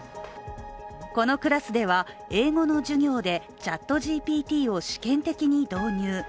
このクラスでは英語の授業でＣｈａｔＧＰＴを試験的に導入。